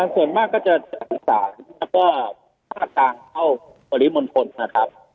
ส่วนมากก็จะอีสานแล้วก็ภาคทางเข้าปริมณฑลนะครับ